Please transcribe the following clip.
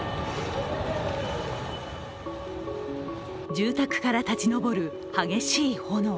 住宅から立ち上る激しい炎。